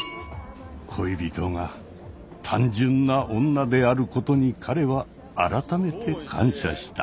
恋人が単純な女であることに彼は改めて感謝した。